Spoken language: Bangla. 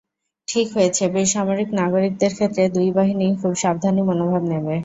ঠিক হয়েছে, বেসামরিক নাগরিকদের ক্ষেত্রে দুই বাহিনীই খুব সাবধানী মনোভাব নেবে।